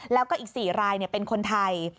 แล้วก็อีก๔รายเป็นคนไทย